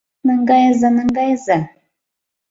— Наҥгайыза, наҥгайыза...